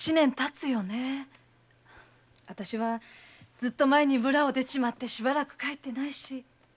あたしはずっと前に村を出ちまってしばらく帰ってないし。